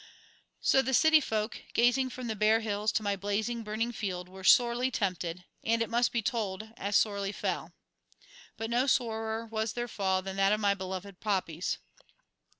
So the city folk, gazing from the bare hills to my blazing, burning field, were sorely tempted, and, it must be told, as sorely fell. But no sorer was their fall than that of my beloved poppies.